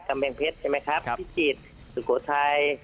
กำแพงเพชรใช่ไหมครับพิจิตรสุโขทัย